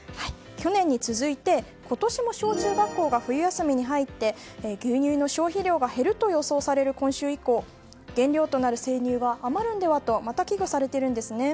去年に続いて今年も小中学校が冬休みに入って牛乳の消費量が減ると予想される今週以降原料となる生乳が余るのではとまた危惧されているんですね。